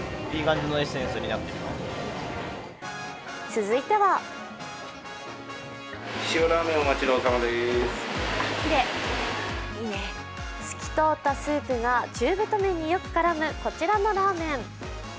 続いては透き通ったスープが中太麺によく絡むこちらのラーメン。